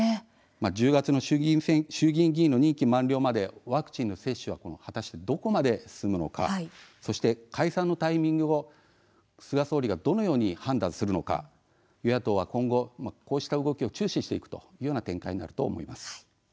１０月の衆議院議員の任期満了までワクチンの接種はどこまで進むのかそして解散のタイミングを菅総理がどのように判断するのか与野党はこうした動きを今後注視していくような展開となると思います。